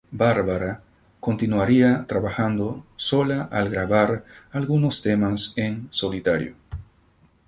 Bárbara continuaría trabajando sola al grabar algunos temas en solitario.